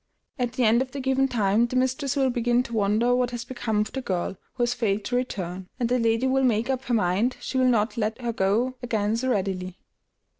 At the end of the given time the mistress will begin to wonder what has become of the girl, who has failed to return; and the lady will make up her mind she will not let her go again so readily.